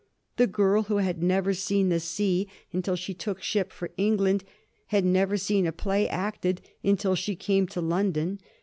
The girl, who had never seen the sea until she took ship for England, had never seen a play acted until she came to London.